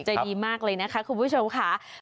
ใจดีมากเลยนะคะคุณผู้ชมค่ะ